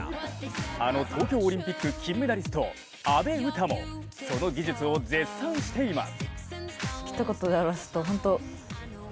あの東京オリンピック金メダリスト、阿部詩もその技術を絶賛しています。